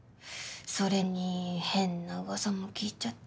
それに変な噂も聞いちゃって。